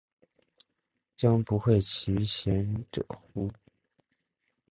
将不讳其嫌者乎？